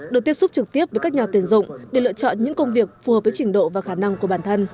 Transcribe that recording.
được tiếp xúc trực tiếp với các nhà tuyển dụng để lựa chọn những công việc phù hợp với trình độ và khả năng của bản thân